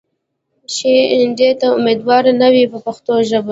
ښې ایندې ته امیدوار نه وي په پښتو ژبه.